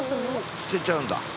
捨てちゃうんだ。